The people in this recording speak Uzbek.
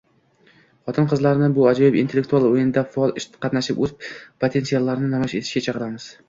Xotin-qizlarni bu ajoyib intellektual oʻyinda faol qatnashib, oʻz potensiallarini namoyish etishga chaqiramiz.